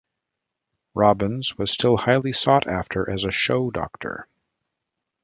Robbins was still highly sought after as a show doctor.